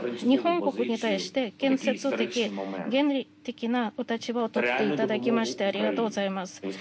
日本国に対して建設的、原理的な立場をとっていただきましてありがとうございます。